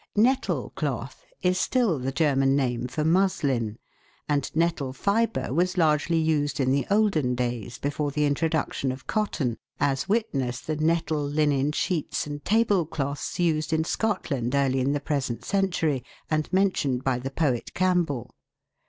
"Nettle cloth" is still the German name for muslin, and nettle fibre was largely used in the olden days, before the introduction of cotton, as witness the nettle linen sheets and tablecloths used in Scotland early in the present century, and mentioned by the poet Campbell.